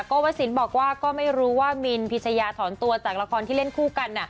วสินบอกว่าก็ไม่รู้ว่ามินพิชยาถอนตัวจากละครที่เล่นคู่กัน